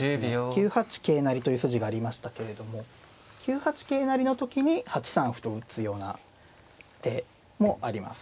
９八桂成という筋がありましたけれども９八桂成の時に８三歩と打つような手もあります。